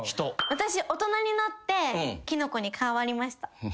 私大人になってきのこに変わりました。